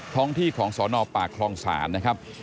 ท้องที่ของสนปากคลองศาลนะครับ